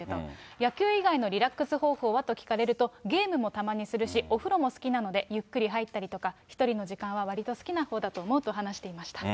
野球以外のリラックス方法はと聞かれると、ゲームもたまにするし、お風呂も好きなので、ゆっくり入ったりとか、１人の時間はわりと好きなほうだと思うと話していました。